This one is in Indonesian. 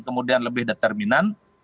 kemudian lebih determinan